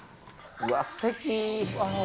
うわっ、すてき。